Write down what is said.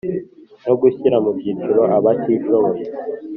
no gushyira mu byiciro abatishoboye